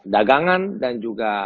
dagangan dan juga